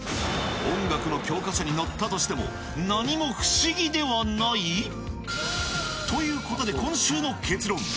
音楽の教科書に載ったとしても、何も不思議ではない？ということで今週の結論。